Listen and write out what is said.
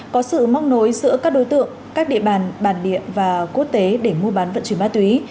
có sự móc nối giữa các đối tượng các địa bàn bản địa và quốc tế để mua bán vận chuyển ma túy